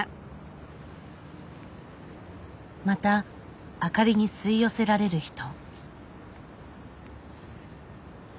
また明かりに吸い寄せられる人。